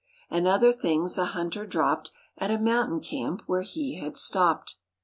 And other things a hunter dropped At a mountain camp where he had stopped.